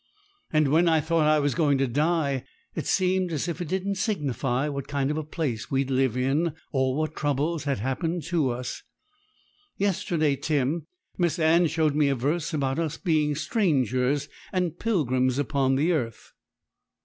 And when I thought I was going to die, it seemed as if it didn't signify what kind of a place we'd lived in, or what troubles had happened to us. Yesterday, Tim, Miss Anne showed me a verse about us being strangers and pilgrims upon the earth.'